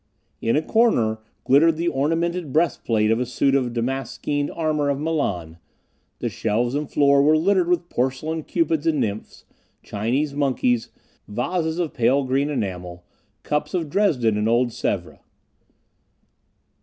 In a corner glittered the ornamented breastplate of a suit of damaskeened armor of Milan. The shelves and floor were littered with porcelain cupids and nymphs, Chinese monkeys, vases of pale green enamel, cups of Dresden and old Sèvres.